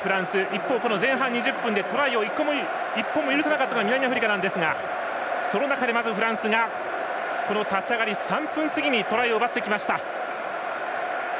一方、この前半２０分でトライを１本も許さなかったのが南アフリカなんですがその中でまず、フランスが立ち上がり、３分過ぎにトライを奪ってきました。